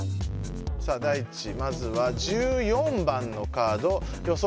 さぁダイチまずは１４番のカード予想